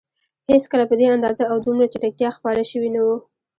هېڅکله په دې اندازه او دومره چټکتیا خپاره شوي نه وو.